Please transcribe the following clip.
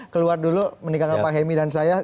keluar dulu meninggalkan pak hemi dan saya